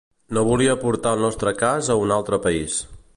No volia portar el nostre cas a un altre país.